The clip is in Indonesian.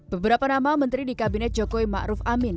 beberapa nama menteri di kabinet jokowi ma'ruf amin